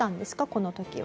この時は。